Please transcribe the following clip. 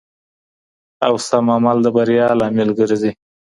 او سم عمل د بریا لامل ګرځي.